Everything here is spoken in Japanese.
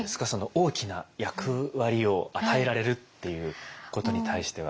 大きな役割を与えられるっていうことに対しては。